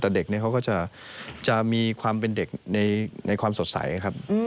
แต่เด็กนี้เขาก็จะมีความเป็นเด็กในความสดใสครับ